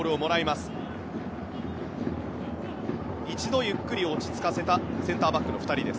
一度ゆっくり落ち着かせたセンターバックの２人。